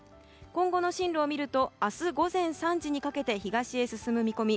今後の進路を見ると明日午前３時にかけて東に進む見込み。